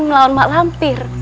melawan mak lampir